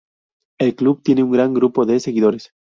El club tiene un gran grupo de seguidores.